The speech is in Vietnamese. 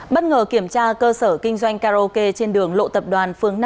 bất ngờ kiểm tra cơ sở kinh doanh karaoke trên đường lộ tập đoàn phương năm